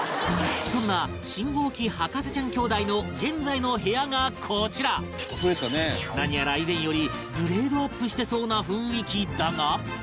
そんな信号機博士ちゃん兄弟の何やら以前よりグレードアップしてそうな雰囲気だが